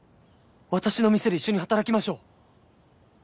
私の店で一緒に働きましょう！